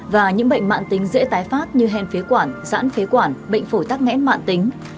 và những bệnh mạng tính dễ tái phát như hèn phế quản giãn phế quản bệnh phổi tắc nghẽn mạng tính